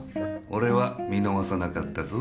俺は見逃さなかったぞ。